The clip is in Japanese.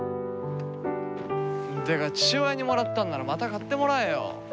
父親にもらったんならまた買ってもらえよ。